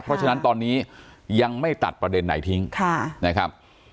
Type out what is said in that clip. เพราะฉะนั้นตอนนี้ยังไม่ตัดประเด็นไหนทิ้งนะครับ